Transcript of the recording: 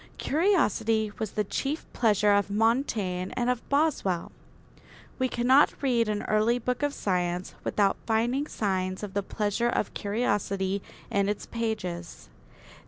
Curiosity was the chief pleasure of Montaigne and of Boswell. We cannot read an early book of science without finding signs of the pleasure of curiosity in its pages.